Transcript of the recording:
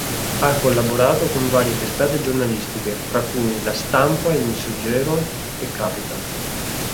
Ha collaborato con varie testate giornalistiche, fra cui "La Stampa", "Il Messaggero" e Capital.